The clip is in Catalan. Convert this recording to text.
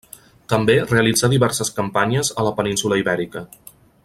També realitzà diverses campanyes a la península Ibèrica.